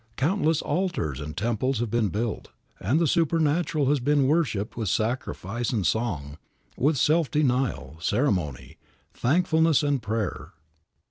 Countless altars and temples have been built, and the supernatural has been worshiped with sacrifice and song, with self denial, ceremony, thankfulness and prayer.